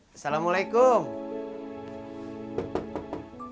tadi saya akan menjawab begini